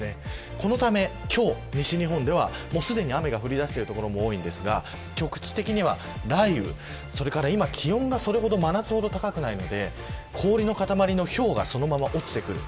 このため、今日西日本ではすでに雨が降り出している所も多いですが、局地的に雷雨、それから今気温が真夏ほど高くないので氷の塊のひょうがそのまま落ちてくる。